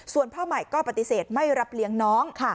ส่วนพ่อใหม่ก็ปฏิเสธไม่รับเลี้ยงน้อง